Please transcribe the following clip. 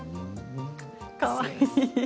かわいい。